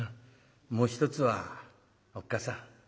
もう一つはおっ母さん。